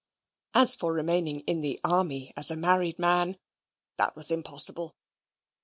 As for remaining in the army as a married man, that was impossible.